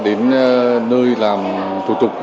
đến nơi làm thủ tục